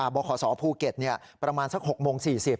บศภูเก็ตเนี่ยประมาณสัก๖โมง๔๐